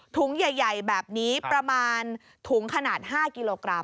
ถุงใหญ่แบบนี้ประมาณถุงขนาด๕กิโลกรัม